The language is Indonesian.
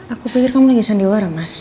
aku pikir kamu lagi sandiwara mas